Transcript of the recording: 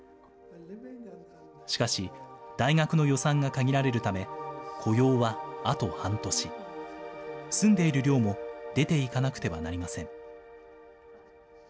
しかし、大学の予算が限られるため、雇用はあと半年。住んでいる寮も出ていかなくてはなりません。